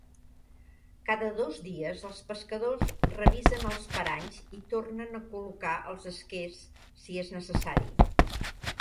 Cada dos dies els pescadors revisen els paranys i tornen a col·locar els esquers si és necessari.